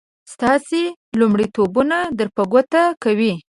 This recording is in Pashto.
ستاسې لومړيتوبونه در په ګوته کوي.